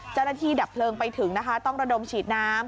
เจ้าหน้าที่ดับเพลิงไปถึงนะคะต้องระดมฉีดน้ำ